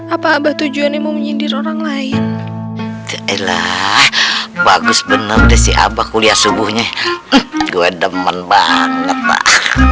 apa apa tujuannya menyindir orang lain telah bagus bener siapa kuliah subuhnya gue demen banget pak